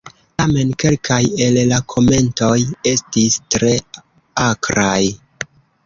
Tamen kelkaj el la komentoj estis tre akraj.